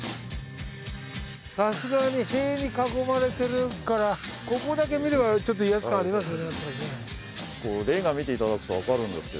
さすがに塀に囲まれてるからここだけ見ればちょっと威圧感ありますよね。